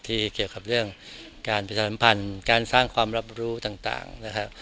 เกี่ยวกับเรื่องการประชาสัมพันธ์การสร้างความรับรู้ต่างนะครับ